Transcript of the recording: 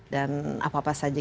dan apa apa saja